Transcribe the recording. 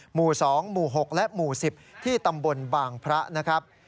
หมู่๒หมู่๖และหมู่๑๐ที่ตำบลบางพระนะครับ